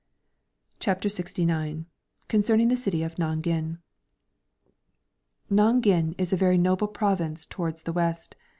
CHAPTER LXIX. Concerning the Citv of Nanghin. Nanghin is a very noble Province towards the west.